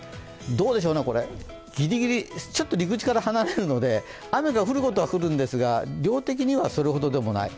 どうでしょう、これ、ギリギリ、ちょっと陸地から離れるので、雨が降ることは降るんですが、量的にはそれほどでもない。